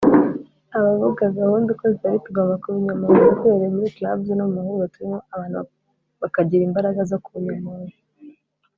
abavuga gahunda uko zitari tugomba kubinyomoza duhereye muri Clubs no mu mahuriro turimo abantu bakagira imbaraga zo kunyomoza